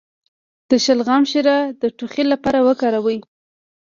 د شلغم شیره د ټوخي لپاره وکاروئ